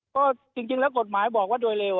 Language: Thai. ก็จริงแล้วกฎหมายบอกว่าโดยเร็ว